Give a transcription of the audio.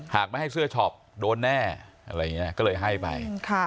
หากไม่ให้เสื้อช็อปโดนแน่อะไรอย่างนี้ก็เลยให้ไป